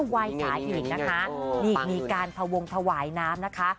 ไหว้สาอีกนะคะนี่การพวงถวายน้ำนะคะ